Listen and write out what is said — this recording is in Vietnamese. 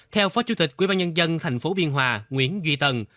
theo phó chủ tịch quyên bang nhân dân thành phố biên hòa nguyễn duy tân